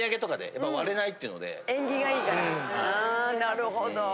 あなるほど。